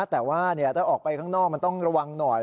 แต่ว่าถ้าออกไปข้างนอกมันต้องระวังหน่อย